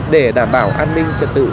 để đảm bảo an ninh trật tự